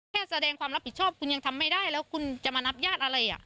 แสดงความรับผิดชอบคุณยังทำไม่ได้แล้วคุณจะมานับญาติอะไร